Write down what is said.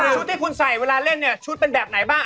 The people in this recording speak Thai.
ชุดที่คุณใส่เวลาเล่นเนี่ยชุดเป็นแบบไหนบ้าง